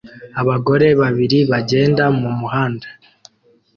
abagore babiri bagenda mu muhanda